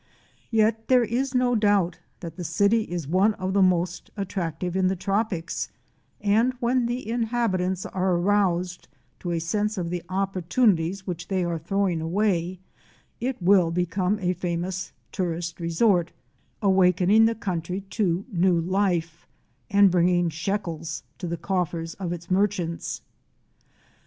Yet there is no doubt that the city is one of the most attractive in the tropics, and when the inhabitants are aroused to a sense of the opportunities which they are throw ing away, it will become a famous tourist resort; awakening the country to new life and bringing shekels to the coffers of its merchants.